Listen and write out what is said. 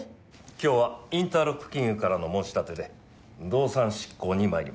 今日はインターロック金融からの申し立てで動産執行に参りました。